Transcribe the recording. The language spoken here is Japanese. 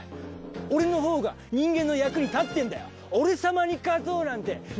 俺のほうが人間の役に立ってんだよ。